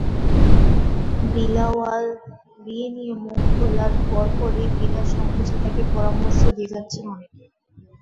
বিলাওয়াল বিয়ে নিয়ে মুখ খোলার পরপরই বিনা সংকোচে তাঁকে পরামর্শ দিয়ে যাচ্ছেন অনেকে।